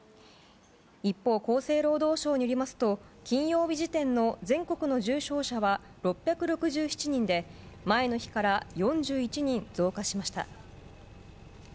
一方、厚生労働省によりますと金曜日時点の全国の重症者は６６７人で前の日から４１人増加しました。